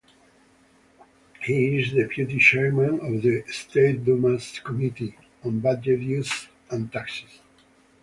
He is deputy chairman of the State Duma's Committee on Budget Issues and Taxes.